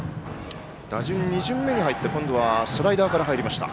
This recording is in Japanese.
打順２巡目に入って今度はスライダーから入りました。